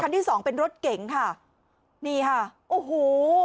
ที่สองเป็นรถเก๋งค่ะนี่ค่ะโอ้โห